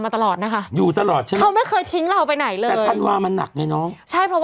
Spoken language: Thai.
มาตลอดนะคะอยู่ตลอดใช่ไหม